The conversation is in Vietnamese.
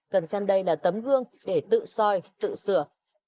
cần xem đây là tấm gương để tự soi tự sửa